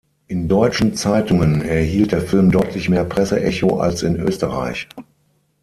In deutschen Zeitungen erhielt der Film deutlich mehr Presseecho als in Österreich.